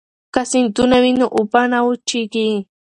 که سیندونه وي نو اوبه نه وچېږي.